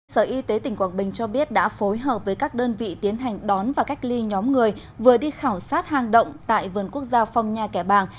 sở y tế tỉnh quảng bình cho biết đã phối hợp với các đơn vị tiến hành đón và cách ly nhóm người vừa đi khảo sát hang động tại vườn quốc gia phong nha kẻ bàng